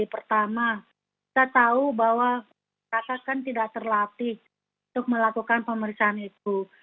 pertama kita tahu bahwa kakak kan tidak terlatih untuk melakukan pemeriksaan itu